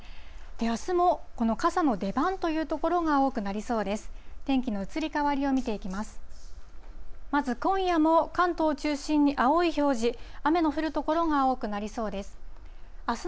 あすもこの傘の出番という所が多くなりそうです。